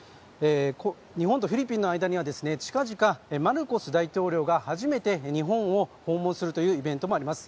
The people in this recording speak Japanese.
日本とフィリピンの間には近々マルコス大統領が初めて日本を訪問するというイベントもあります。